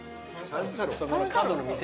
そこの角の店。